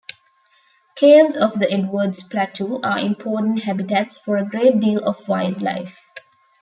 Caves of the Edwards Plateau are important habitats for a great deal of wildlife.